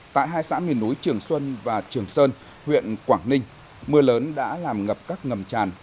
tại hai xã miền núi trường xuân và trường sơn huyện quảng ninh mưa lớn đã làm ngập các ngầm tràn